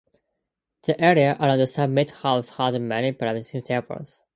The area around the summit house has many picnic tables.